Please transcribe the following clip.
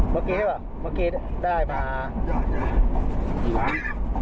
เมื่อกี้ใช่ป่ะเมื่อกี้ได้มากี่ร้าน